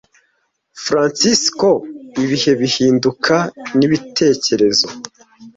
Francesco, ibihe bihinduka nibitekerezo